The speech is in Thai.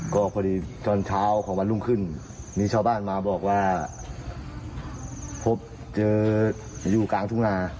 ก็พอดีตอนเช้าของวันรุ่งขึ้นมีชาวบ้านมาบอกว่าพบเจออยู่กลางทุ่งนา